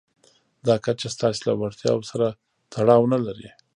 دا کچه ستاسې له وړتیاوو سره تړاو نه لري.